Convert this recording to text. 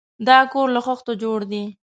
دا کور له خښتو جوړ دی.